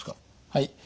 はい。